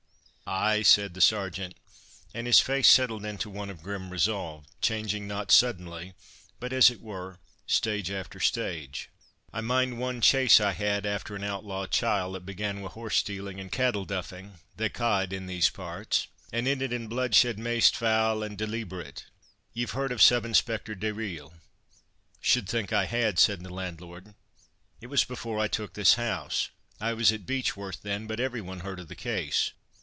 "Ay!" said the Sergeant, and his face settled into one of grim resolve, changing not suddenly, but, as it were, stage after stage. "I mind one chase I had after an outlawed chiel that began wi' horse stealing, and cattle 'duffing' (they ca' it in these parts), and ended in bloodshed maist foul and deleeberate. Ye've heard of Sub Inspector Dayrell?" "Should think I had," said the landlord. "It was before I took this house; I was at Beechworth then, but every one heard of the case.